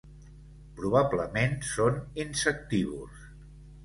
Probablement són insectívors.